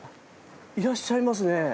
いらっしゃいますね。